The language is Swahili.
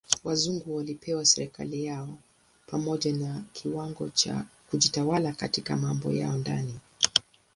Wazungu walipewa serikali yao pamoja na kiwango cha kujitawala katika mambo ya ndani.